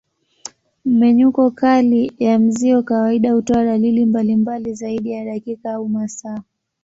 Mmenyuko kali ya mzio kawaida hutoa dalili mbalimbali zaidi ya dakika au masaa.